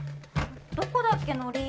どこだっけのり。